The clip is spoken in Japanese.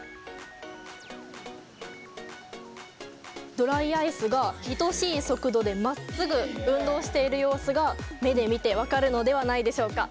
ドライアイスが等しい速度でまっすぐ運動している様子が目で見て分かるのではないでしょうか。